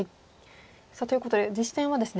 ということで実戦はですね